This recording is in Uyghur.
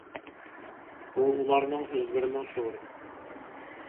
بۇ ئۇلارنىڭ ئۆزلىرىنىڭ شورى.